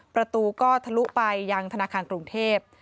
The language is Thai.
ประตูก็ทะลุไปยังธนาคารกรุงเทพ